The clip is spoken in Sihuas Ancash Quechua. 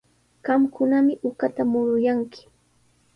Qamkunami uqata muruyanki.